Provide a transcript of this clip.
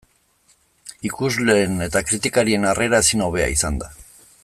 Ikusleen eta kritikarien harrera ezin hobea izan da.